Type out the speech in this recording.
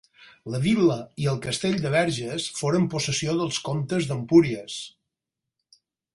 La vila i el castell de Verges foren possessió dels comtes d'Empúries.